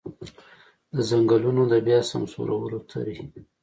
د ځنګلونو د بیا سمسورولو طرحې.